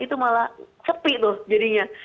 itu malah sepi tuh jadinya